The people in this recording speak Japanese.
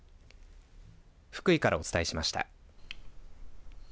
福井からお伝えしました。